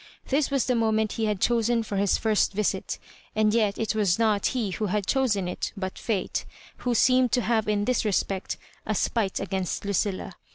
This was the moment he had chosen for his first visit ; and yet it was not he who had chosen it, but fate, who seemed to have in this respect a spite against Lucilla.